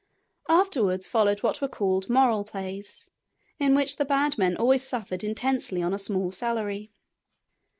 Afterwards followed what were called Moral Plays, in which the bad man always suffered intensely on a small salary.